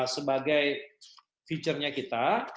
sebagai feature nya kita